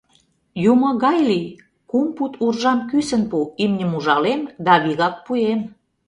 Юмо гай лий, кум пуд уржам кӱсын пу, имньым ужалем да вигак пуэм.